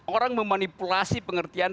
orang memanipulasi pengertian